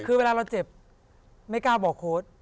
คือเวลาเราเจ็บไม่กล้าบอกโค้ด